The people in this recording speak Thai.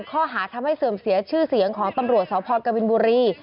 ข้อหาทำให้เสื่อมเสียชื่อเสียงของตำรวจสพกบินบุรี